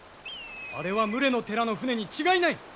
あれは牟礼の寺の船に違いない！